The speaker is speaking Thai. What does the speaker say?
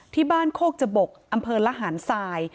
ที่บ้านโคกจบกอำเภอละหารทราย